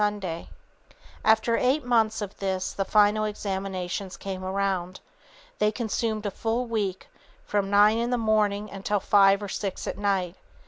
[Sidenote: The Lawyer Who "Overworks"] "After eight months of this, the final examinations came around. They consumed a full week from nine in the morning until five or six at night.